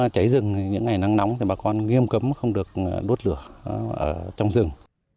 cháy rừng những ngày nắng nóng thì bà con nghiêm cấm không được đốt lửa ở trong rừng